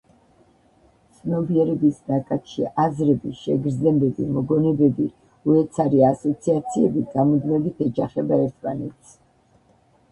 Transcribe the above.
ცნობიერების ნაკადში აზრები, შეგრძნებები, მოგონებები, უეცარი ასოციაციები გამუდმებით ეჯახება ერთმანეთს.